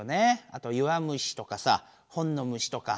あと弱虫とかさ本の虫とか。